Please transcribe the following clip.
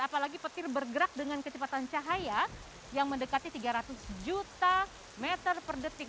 apalagi petir bergerak dengan kecepatan cahaya yang mendekati tiga ratus juta meter per detik